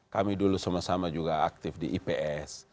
kami dulu sama sama juga aktif di ips